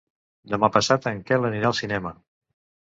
Demà passat en Quel anirà al cinema.